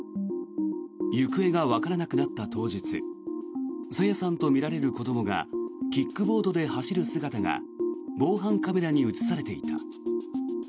行方がわからなくなった当日朝芽さんとみられる子どもがキックボードで走る姿が防犯カメラに映されていた。